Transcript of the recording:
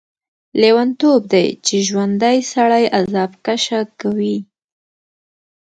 لیونتوب دی چې ژوندی سړی عذاب کشه کوي.